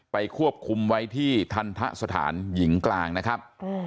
ควบคุมไว้ที่ทันทะสถานหญิงกลางนะครับ